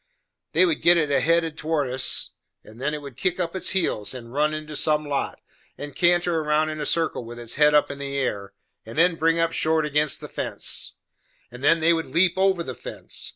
They would git it headed towards us, and then it would kick up its heels, and run into some lot, and canter round in a circle with its head up in the air, and then bring up short ag'inst the fence; and then they would leap over the fence.